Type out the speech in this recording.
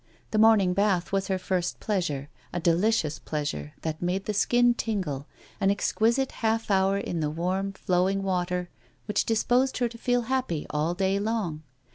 The morning bath was her first pleasure, a delicious pleasure that made the skin tingle, an exquisite half hour in the warm, flowing water, which disposed her to feel happy all day long.